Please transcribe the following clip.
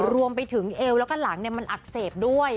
รวมไปถึงเอวแล้วก็หลังมันอักเสบด้วย